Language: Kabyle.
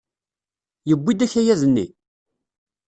Yewwi-d akayad-nni?